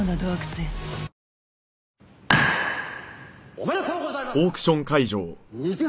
「おめでとうございます！」